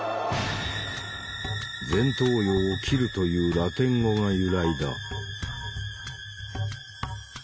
前頭葉を切るというラテン語が由来だ。